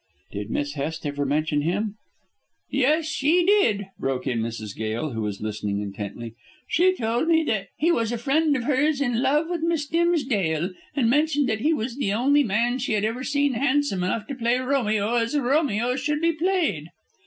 "Did Miss Hest ever mention him?" "Yes, she did," broke in Mrs. Gail, who was listening intently. "She told me that he was a friend of hers in love with Miss Dimsdale, and mentioned that he was the only man she had ever seen handsome enough to play Romeo as Romeo should be played."